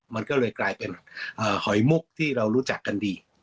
มันก็เลยกลายเป็นหอยมุกที่เรารู้จักกันดี